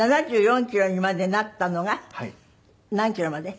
７４キロにまでなったのが何キロまで？